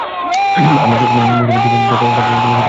আবার যখনই মুসীবত দূর হয়ে যেত, তারপর দিনই সে প্রতিশ্রুতি ভঙ্গ করত।